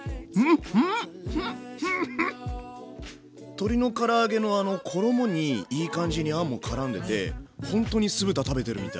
鶏のから揚げのあの衣にいい感じにあんもからんでてほんとに酢豚食べてるみたい。